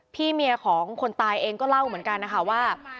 พี่เมียของคนตายเองก็เล่าเหมือนกันนะคะว่า